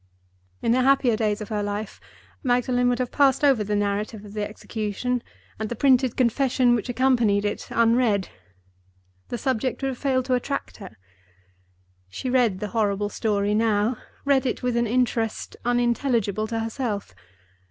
In the happier days of her life, Magdalen would have passed over the narrative of the execution, and the printed confession which accompanied it unread; the subject would have failed to attract her. She read the horrible story now—read it with an interest unintelligible to herself.